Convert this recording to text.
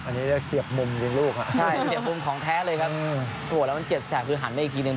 อันนี้เรียกเสียบมุมดึงลูกอ่ะใช่เสียบมุมของแท้เลยครับโอ้โหแล้วมันเจ็บแสบคือหันไปอีกทีหนึ่ง